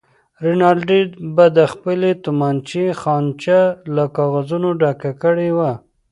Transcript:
رینالډي به د خپلې تومانچې خانچه له کاغذونو ډکه کړې وه.